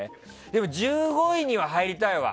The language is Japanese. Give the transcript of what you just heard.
でも、１５位には入りたいわ。